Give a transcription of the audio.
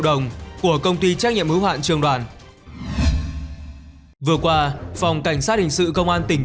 đồng của công ty trách nhiệm hữu hoạn trường đoàn vừa qua phòng cảnh sát hình sự công an tỉnh